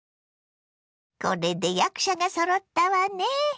これで役者がそろったわね。